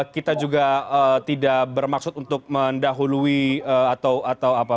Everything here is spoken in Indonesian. kita juga tidak bermaksud untuk mendahului atau apa